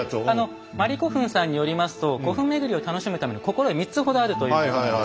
まりこふんさんによりますと古墳巡りを楽しむための心得３つほどあるということなんです。